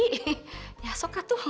iya sokak tuh